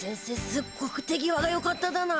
すっごくてぎわがよかっただな。